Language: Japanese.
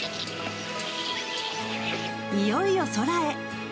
いよいよ空へ！